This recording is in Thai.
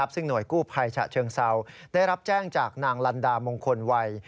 ซึ่งหน่วยกู้ภัยฉะเชิงเซาได้รับแจ้งจากนางลันดามงคลวัย